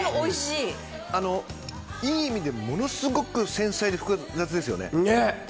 いい意味でものすごく繊細で複雑ですよね。